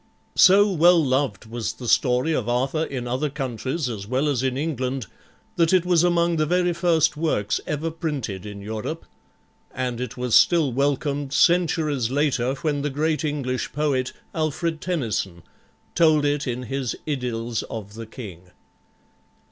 So well loved was the story of Arthur in other countries as well as in England that it was among the very first works ever printed in Europe, and it was still welcomed centuries later when the great English poet, Alfred Tennyson, told it in his Idylls of the King.